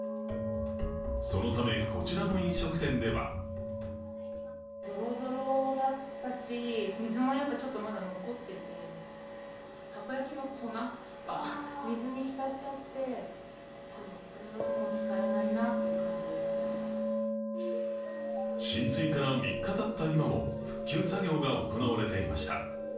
そのため、こちらの飲食店では浸水から３日たった今も復旧作業が行われていました。